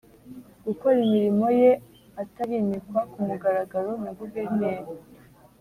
gukora imirimo ye atarimikwa ku mugaragaro na guverineri